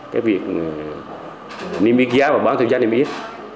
cái việc niêm yết giá và bán theo giá niêm yết